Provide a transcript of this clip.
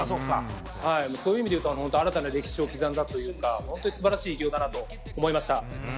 そういう意味で言うと新たな歴史を刻んだというか素晴らしい偉業だと思いました。